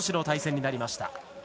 対戦になりました。